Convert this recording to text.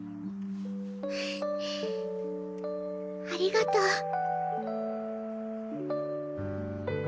ありがとう。